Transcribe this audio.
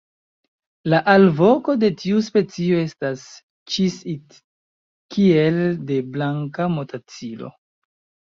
La alvoko de tiu specio estas "ĉis-it" kiel de Blanka motacilo.